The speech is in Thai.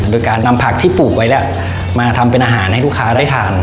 โดยการนำผักที่ปลูกไว้แล้วมาทำเป็นอาหารให้ลูกค้าได้ทาน